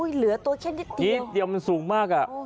เหลือตัวแค่นิดเดียวนิดเดียวมันสูงมาก